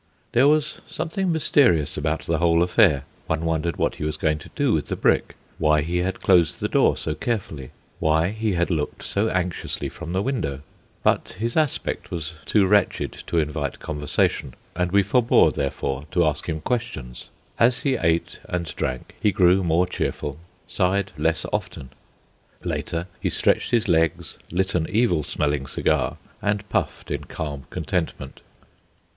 There was something mysterious about the whole affair. One wondered what he was going to do with the brick, why he had closed the door so carefully, why he had looked so anxiously from the window; but his aspect was too wretched to invite conversation, and we forbore, therefore, to ask him questions. As he ate and drank he grew more cheerful, sighed less often. Later he stretched his legs, lit an evil smelling cigar, and puffed in calm contentment.